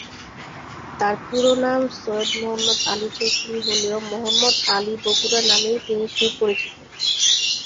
তাঁর পুরো নাম "সৈয়দ মোহাম্মদ আলী চৌধুরী" হলেও "মোহাম্মদ আলী বগুড়া" নামেই তিনি সুপরিচিত।